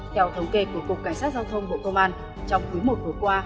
theo thống kê của cục cảnh sát giao thông bộ công an trong cuối một vừa qua